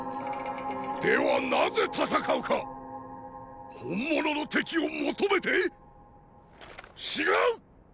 ではなぜ戦うか⁉本物の敵を求めて⁉違う！